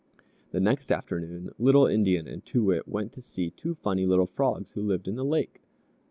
The next afternoon Little Indian and Too Wit went to see two funny little Frogs who lived in the lake.